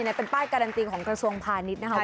เป็นป้ายการันตีของกระทรวงพาณิชย์นะคะ